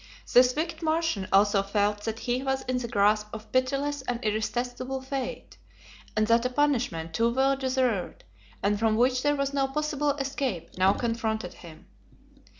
This wicked Martian also felt that he was in the grasp of pitiless and irresistible fate, and that a punishment too well deserved, and from which there was no possible escape, now confronted him.